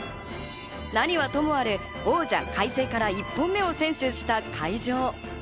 何はともあれ王者・開成から１本目を先取した海城。